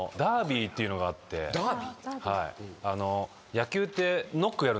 野球って。